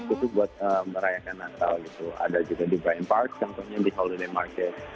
itu buat merayakan natal gitu ada juga di bryan park contohnya di holiday market